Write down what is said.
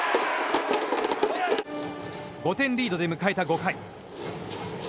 ５点リードで迎えた５回。